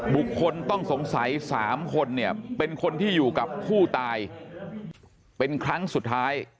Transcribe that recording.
บุคคลต้องสงสัย๓คนเนี่ยเป็นคนที่อยู่กับผู้ตายเป็นครั้งสุดท้าย